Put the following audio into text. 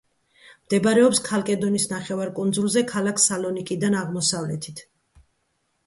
მდებარეობს ქალკედონის ნახევარკუნძულზე, ქალაქ სალონიკიდან აღმოსავლეთით.